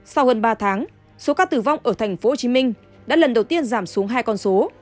sau hơn ba tháng số ca tử vong ở tp hcm đã lần đầu tiên giảm xuống hai con số